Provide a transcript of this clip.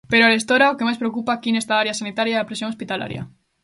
Pero arestora o que máis preocupa aquí nesta área sanitaria é a presión hospitalaria.